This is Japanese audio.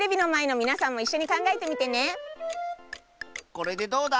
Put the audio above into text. これでどうだ